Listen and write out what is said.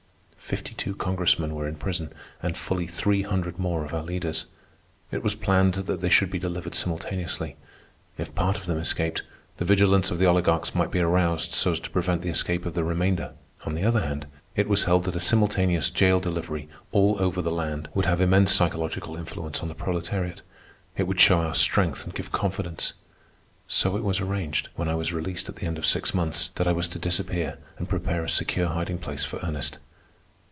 Fifty two Congressmen were in prison, and fully three hundred more of our leaders. It was planned that they should be delivered simultaneously. If part of them escaped, the vigilance of the oligarchs might be aroused so as to prevent the escape of the remainder. On the other hand, it was held that a simultaneous jail delivery all over the land would have immense psychological influence on the proletariat. It would show our strength and give confidence. So it was arranged, when I was released at the end of six months, that I was to disappear and prepare a secure hiding place for Ernest.